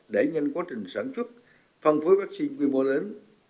để nhanh quá trình sản xuất phân phối vaccine quy mô lớn